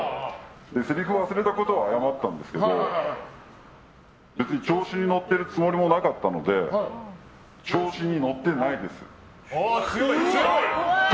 せりふ忘れたことは謝ったんですけど別に調子に乗ってるつもりもなかったので調子に乗ってないですと。